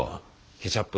ケチャップ。